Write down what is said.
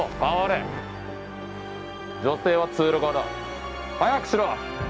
女性は通路側だ早くしろ！